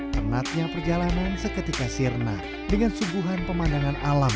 tenatnya perjalanan seketika sirna dengan subuhan pemandangan alam